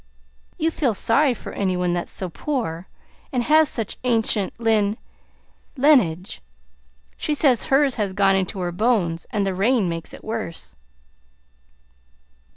You feel sorry for any one that's so poor and has such ancient lin lenage. She says hers has gone into her bones and the rain makes it worse."